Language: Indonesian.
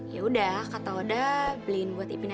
yaudah kata oda beliin buat ipin aja